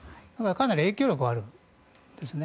かなり影響力はあるんですね。